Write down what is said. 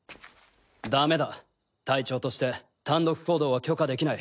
ダメだ隊長として単独行動は許可できない。